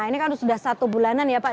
ini kan sudah satu bulanan ya pak